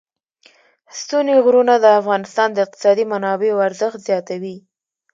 ستوني غرونه د افغانستان د اقتصادي منابعو ارزښت زیاتوي.